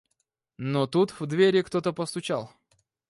Но тут в двери кто-то постучал.